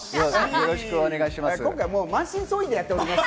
よろしくお願いします。